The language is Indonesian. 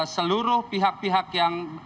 seluruh pihak pihak yang